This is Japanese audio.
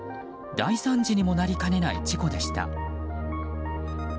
大惨事にもなりかねない事故でした。